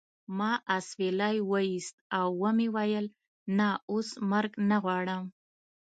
ما اسویلی وایست او و مې ویل نه اوس مرګ نه غواړم